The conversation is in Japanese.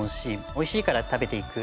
美味しいから食べていく。